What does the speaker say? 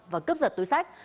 và cấp giật túi sách